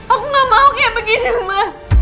aku gak mau kayak begini mbak